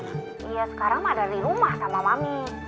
iya sekarang mah ada di rumah sama mami